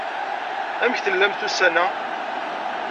Amek tellamt ussan-a?